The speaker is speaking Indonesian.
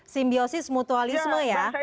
simbiosis mutualisme ya